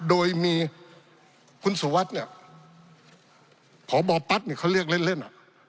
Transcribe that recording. โดยมีคุณสุวัสดิ์เนี่ยพบปั๊ดเขาเรียกเล่น